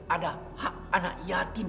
ada hak anak yatim